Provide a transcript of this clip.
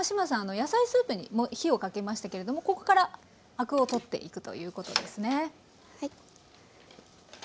野菜スープに火をかけましたけれどもここからアクを取っていくということですね。